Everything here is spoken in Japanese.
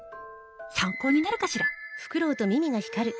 参考になるかしら？